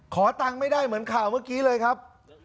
ขอตังค์ไม่ได้เหมือนข่าวเมื่อกี้เลยครับ